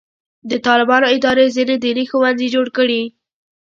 د طالبانو ادارې ځینې دیني ښوونځي جوړ کړي.